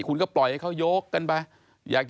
คุณก็ปล่อยให้เขายกกันไป